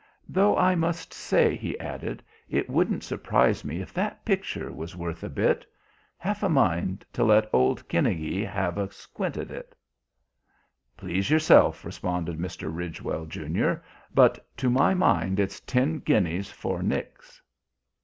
"Though I must say," he added, "it wouldn't surprise me if that picture was worth a bit. Half a mind to let old Kineagie have a squint at it." "Please yourself," responded Mr. Ridgewell, junior, "but to my mind it's ten guineas for nix."